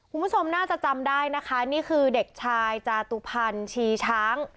คุณผู้ชมน่าจะจำได้นะคะนี่คือเด็กชายจาตุพันธ์ชีช้าง